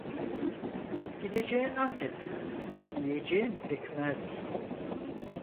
Gideceğin Antep, yiyeceğin pekmez.